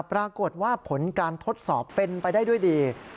ปรากฏว่าผลการทดสอบเป็นไปได้ด้วยดี